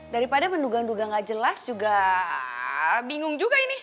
daripada menduga duga gak jelas juga bingung juga ini